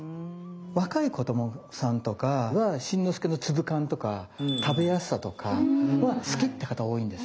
若い子どもさんとかは新之助の粒感とか食べやすさとかは好きって方多いんですよ。